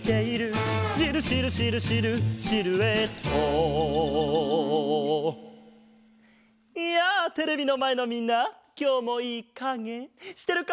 「シルシルシルシルシルエット」やあテレビのまえのみんなきょうもいいかげしてるか？